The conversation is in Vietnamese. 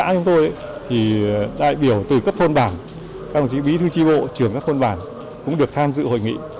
chúng tôi đại biểu từ cấp thuân bản các đồng chí bí thư tri bộ trưởng các thuân bản cũng được tham dự hội nghị